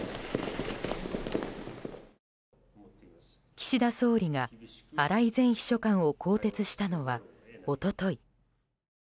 岸田総理が荒井前秘書官を更迭したのは、一昨日。